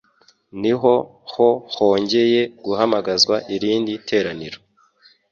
ni ho hongeye guhamagazwa irindi teraniro